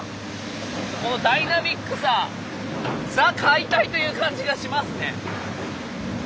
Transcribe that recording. このダイナミックさザ・解体という感じがしますね。